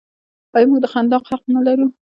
آیا موږ د خندا حق نلرو؟